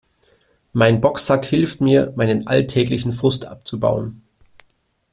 Mein Boxsack hilft mir, meinen alltäglichen Frust abzubauen.